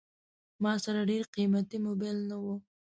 ما سره ډېر قیمتي موبایل نه و.